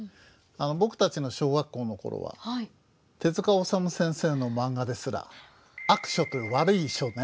僕たちの小学校の頃は手治虫先生のマンガですら悪書と「悪い書」ね。